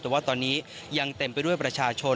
แต่ว่าตอนนี้ยังเต็มไปด้วยประชาชน